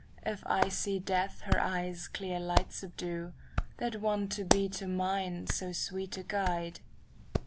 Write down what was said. If I see Death her eyes' clear light subdue, That wont to be to mine so sweet a guide!